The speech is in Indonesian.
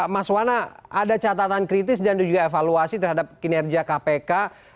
mas wana ada catatan kritis dan juga evaluasi terhadap kinerja kpk